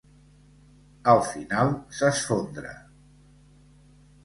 Al final s'esfondra.